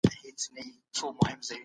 د سياسي ګوندونو غړي بايد فکر وکړي.